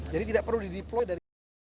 jadi tidak perlu di diploi dari